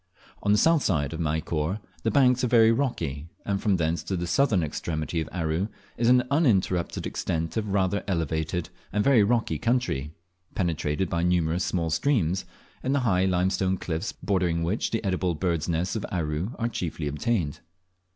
On the south side of Maykor the banks are very rocky, and from thence to the southern extremity of Aru is an uninterrupted extent of rather elevated and very rocky country, penetrated by numerous small streams, in the high limestone cliffs bordering which the edible birds' nests of Aru are chiefly obtained.